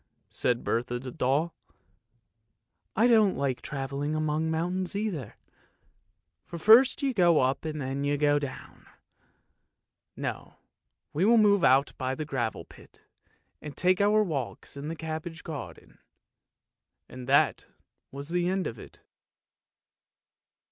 " said Bertha the doll. " I don't like travelling among mountains either, for first you go up and then you go down ! No, we will move out by the gravel pit and take our walks in the cabbage garden." And that was the end of it.